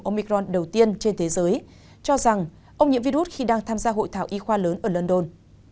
omicron đầu tiên trên thế giới cho rằng ông nhiễm virus khi đang tham gia hội thảo y khoa lớn ở london